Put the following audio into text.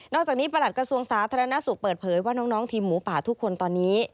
จากนี้ประหลัดกระทรวงสาธารณสุขเปิดเผยว่าน้องทีมหมูป่าทุกคนตอนนี้